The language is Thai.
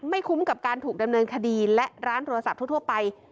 คุ้มกับการถูกดำเนินคดีและร้านโทรศัพท์ทั่วไป